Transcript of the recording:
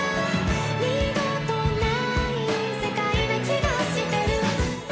「二度とない世界な気がしてる」